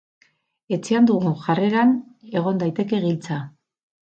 Etxean dugun jarreran egon daiteke giltza.